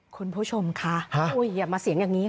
คุณผู้ชมค่ะอุ๊ยอ่ะมาเสียงอย่างงี้ค่ะ